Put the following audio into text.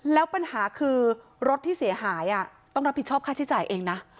แล้วปัญหาคือรถที่เสียหายต้องรับผิดชอบค่าใช้จ่ายเองนะ